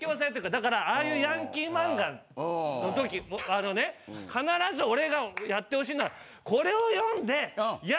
だからああいうヤンキー漫画のときあのね必ず俺がやってほしいのは。